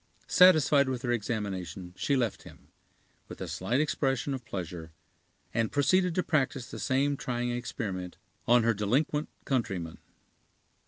Satisfied with her examination, she left him, with a slight expression of pleasure, and proceeded to practise the same trying experiment on her delinquent countryman.